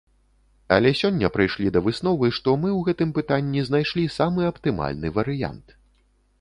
Але сёння прыйшлі да высновы, што мы ў гэтым пытанні знайшлі самы аптымальны варыянт.